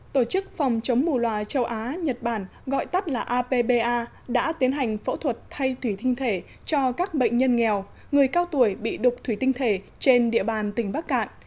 tổ chức phòng chống mù loà châu á nhật bản gọi tắt là apba đã tiến hành phẫu thuật thay thủy tinh thể cho các bệnh nhân nghèo người cao tuổi bị đục thủy tinh thể trên địa bàn tỉnh bắc cạn